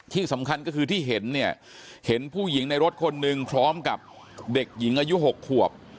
ที่สำคัญก็คือที่เห็นเนี่ยเห็นผู้หญิงในรถคนหนึ่งพร้อมกับเด็กหญิงอายุ๖ขวบ